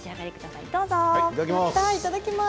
いただきます。